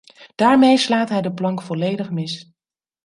Daarmee slaat hij de plank volledig mis.